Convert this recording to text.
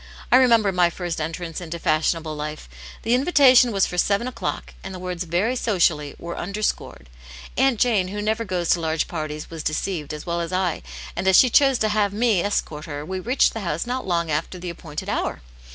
I remember my first entrance into . fashionable life. The invitation was for seven o'clock, ' and the words very socially were underscored. Aunt Jane, who never goes to large parties, was deceived, asf well as I, and as she chose to Vvsiv^ m^ ^^^ox\. \v4t^ Aunt Janets Hero. 129 we reached the house not long after the appointed hour.